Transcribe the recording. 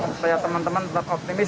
supaya teman teman tetap optimis